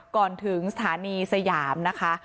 ก่อนถึงสถานีสยามนะคะ